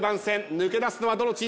抜け出すのはどのチームか。